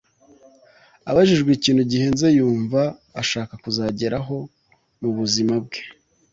Abajijwe ikintu gihenze yumva ashaka kuzageraho mu buzima bwe